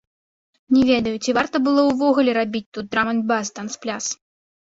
Не ведаю, ці варта было ўвогуле рабіць тут драм-энд-бас танцпляц.